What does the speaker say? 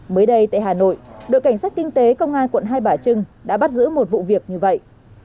mới đây tại hà nội đội cảnh sát kinh tế công an quận hai bà trưng đã bắt giữ một vụ việc như vậy